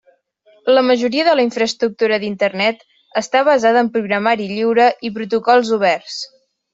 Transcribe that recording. La majoria de la infraestructura d'Internet està basada en programari lliure i protocols oberts.